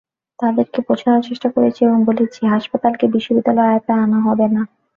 তাঁদেরকে বোঝানোর চেষ্টা করেছি এবং বলেছি, হাসপাতালকে বিশ্ববিদ্যালয়ের আওতায় আনা হবে না।